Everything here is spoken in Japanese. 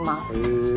へえ。